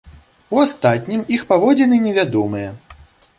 У астатнім іх паводзіны невядомыя.